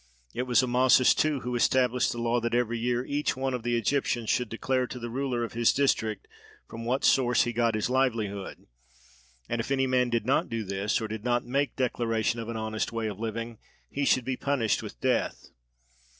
It was Amasis too who established the law that every year each one of the Egyptians should declare to the ruler of his district, from what source he got his livelihood, and if any man did not do this or did not make declaration of an honest way of living, he should be punished with death.